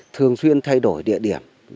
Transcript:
thường xuyên thay đổi địa điểm